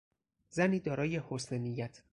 زنی دارای حسن نیت